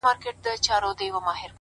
څه مسته نسه مي پـــه وجود كي ده،